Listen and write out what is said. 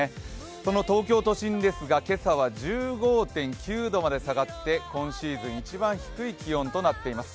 この東京都心ですが今朝は１５．９度まで下がって今シーズン一番低い気温となっています。